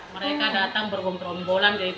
mereka datang bergombrolan